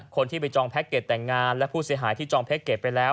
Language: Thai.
คนที่ไปจองแพ็กเกจแต่งงานและผู้เสียหายที่จองแพ็กเกจไปแล้ว